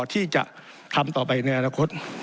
ที่จะทำต่อไปในอนาคต